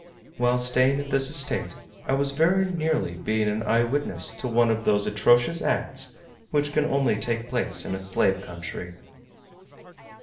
While staying at this estate, I was very nearly being an eye witness to one of those atrocious acts which can only take place in a slave country.